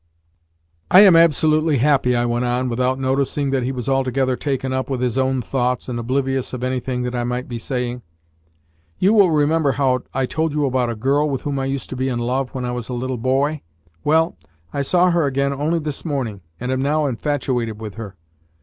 "I am absolutely happy," I went on, without noticing that he was altogether taken up with his own thoughts and oblivious of anything that I might be saying. "You will remember how told you about a girl with whom I used to be in love when was a little boy? Well, I saw her again only this morning, and am now infatuated with her."